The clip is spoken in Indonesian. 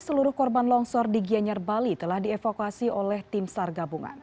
seluruh korban longsor di gianyar bali telah dievakuasi oleh tim sar gabungan